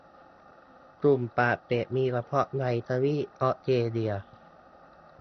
ตุ่นปากเป็ด มีเฉพาะในทวีปออสเตรเลีย